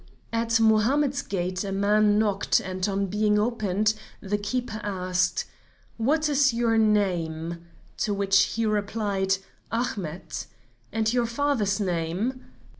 At Mohammed's gate a man knocked, and on being opened, the keeper asked: "'What is your name?' to which he replied, 'Ahmet.' "'And your father's name?'